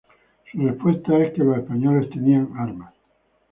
Su respuesta es que los españoles tenían armas.